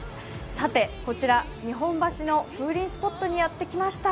さて、こちら日本橋の風鈴スポットにやってきました。